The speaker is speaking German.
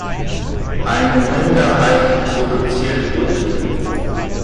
Eine Minderheit produziert Opium.